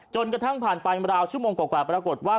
กระทั่งผ่านไปราวชั่วโมงกว่าปรากฏว่า